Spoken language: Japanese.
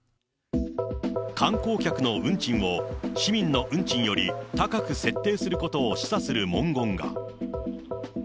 観光客の運賃を市民の運賃より高く設定することを示唆する文言が。